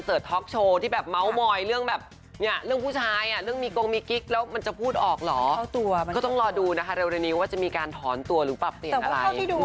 เร็วอันนี้ว่าจะมีการถอนตัวหรือปรับเปลี่ยนอะไร